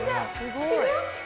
いくよ？